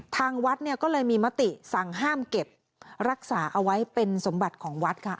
ทางวัดเนี่ยก็เลยมีมติสั่งห้ามเก็บรักษาเอาไว้เป็นสมบัติของวัดค่ะ